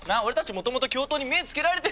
もともと教頭に目ぇつけられてんだからさ。